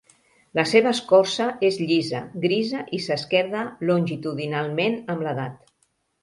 La seva escorça és llisa, grisa i s'esquerda longitudinalment amb l'edat.